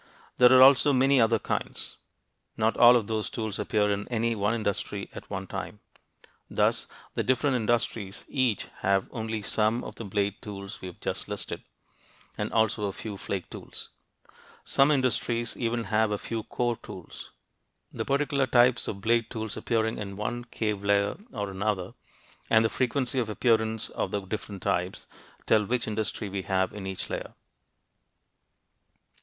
There are also many other kinds. Not all of these tools appear in any one industry at one time. Thus the different industries shown in the chart (p. 72) each have only some of the blade tools we've just listed, and also a few flake tools. Some industries even have a few core tools. The particular types of blade tools appearing in one cave layer or another, and the frequency of appearance of the different types, tell which industry we have in each layer.